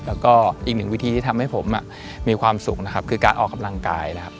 แล้วก็อีกหนึ่งวิธีที่ทำให้ผมมีความสุขนะครับคือการออกกำลังกายนะครับ